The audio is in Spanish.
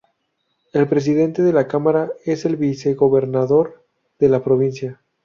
El presidente de la Cámara es el vicegobernador de la provincia.